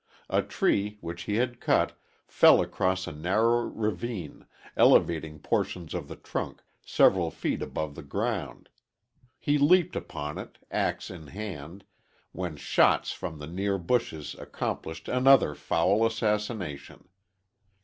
A tree, which he had cut, fell across a narrow ravine, elevating portions of the trunk several feet above the ground. He leaped upon it, ax in hand, when shots from the near bushes accomplished another foul assassination.